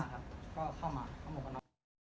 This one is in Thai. ก็เข้ามา